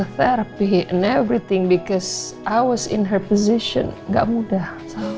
terapi dan semuanya karena aku di posisi andin gak mudah